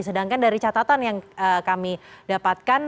sedangkan dari catatan yang kami dapatkan